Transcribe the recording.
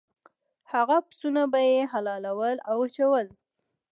هغه پسونه به یې حلالول او وچول.